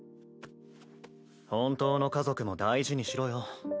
本当の家族も大事にしろよ。